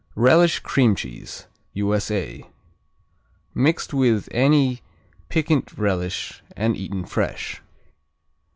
Relish cream cheese U.S.A. Mixed with any piquant relish and eaten fresh.